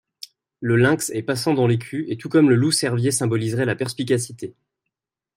Le lynx est passant dans l'écu et tout comme le loup-cervier symboliserait la perspicacité.